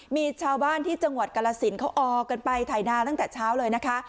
มีชาวบ้านที่จังหวัดกรสินเขาออกกันไปถ่ายนาตั้งแต่เช้าเลยนะคะ